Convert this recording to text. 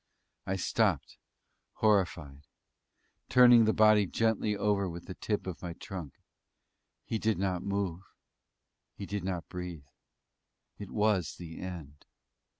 I stopped, horrified; turning the body gently over with the tip of my trunk he did not move; he did not breathe; it was the end.